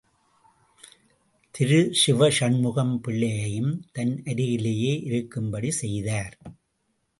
திரு சிவசண்முகம் பிள்ளையையும் தன் அருகிலேயே இருக்கும்படி செய்தார்.